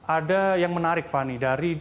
ada yang menarik fani